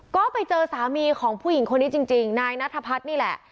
ก็ไปเจอสามีของผู้หญิงคนนี้จริงนายนัทพัฒน์นี่แหละ